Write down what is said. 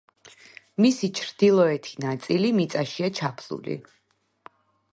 მისი ჩრდილოეთი ნაწილი მიწაშია ჩაფლული.